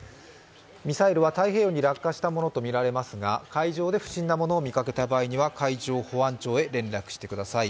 ミサイルは太平洋に落下したものとみられますが海上で不審なものを見かけた場合には海上保安庁へ連絡してください。